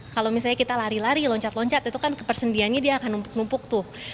kalau misalnya kita lari lari loncat loncat itu kan ke persendiannya dia akan numpuk numpuk tuh